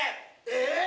えっ！